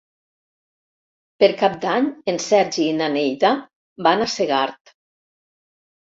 Per Cap d'Any en Sergi i na Neida van a Segart.